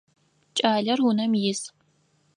Кӏалэр унэм ис.